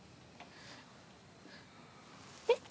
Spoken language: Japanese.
えっ？